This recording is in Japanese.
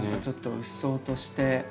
ちょっとうっそうとして。